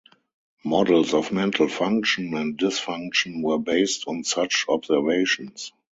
Models of mental function and dysfunction were based on such observations.